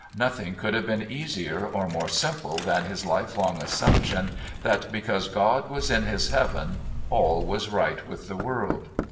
Nothing could have been easier or more simple than his lifelong assumption that, because God was in His heaven all was right with the world.